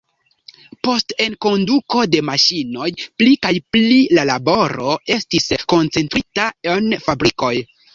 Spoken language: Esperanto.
Post enkonduko de maŝinoj pli kaj pli la laboro estis koncentrita en fabrikoj.